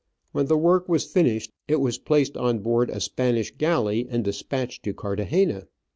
When the work was finished, it was placed on board a Spanish galley and despatched to Carthagena.